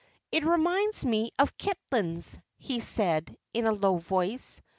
"It reminds me of Kitlands," he said, in a low voice.